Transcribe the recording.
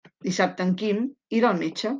Dissabte en Quim irà al metge.